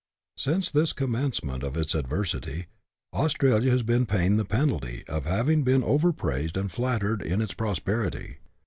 Since this commencement of its adversity, Australia has been paying the penalty of having been over praised and flattered in its prosperity.